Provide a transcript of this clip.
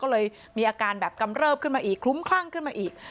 ก็เลยมีอาการแบบกำเริบขึ้นมาอีกคลุ้มคลั่งขึ้นมาอีก